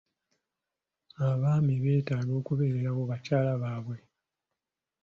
Abaami beetaaga okubeererawo bakyala baabwe.